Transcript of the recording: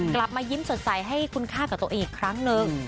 กลับมายิ้มสดใสให้คุณค่ากับตัวเองอีกครั้งนึง